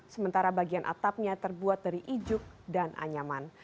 sementara bagian atapnya terbuat dari ijuk dan anyaman